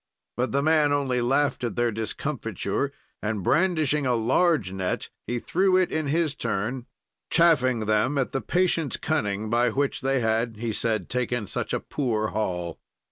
"But the man only laughed at their discomfiture and, brandishing a large net, he threw it in his turn, chaffing them at the patient cunning by which they had, he said, taken such a poor haul.